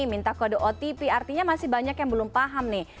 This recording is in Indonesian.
minta kode otp artinya masih banyak yang belum paham nih